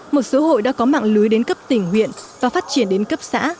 một số hội đã có mạng lưới đến cấp tỉnh huyện và phát triển đến cấp xã